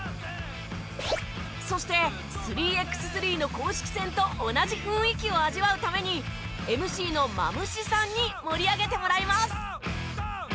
そして３ｘ３の公式戦と同じ雰囲気を味わうためにＭＣのＭＡＭＵＳＨＩさんに盛り上げてもらいます！